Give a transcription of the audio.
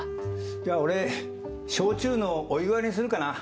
じゃあ俺焼酎のお湯割りにするかな。